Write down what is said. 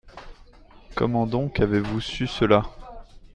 Comment donc avez-vous su cela ?